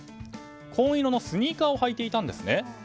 紺色のスニーカーを履いていたんです。